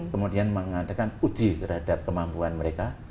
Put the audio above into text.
kemudian mengadakan uji terhadap kemampuan mereka